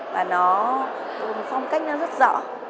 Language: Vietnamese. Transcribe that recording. và nó phong cách nó rất rõ